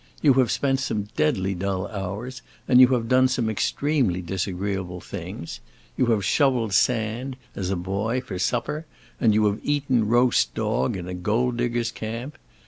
You have spent some deadly dull hours, and you have done some extremely disagreeable things: you have shoveled sand, as a boy, for supper, and you have eaten roast dog in a gold diggers' camp.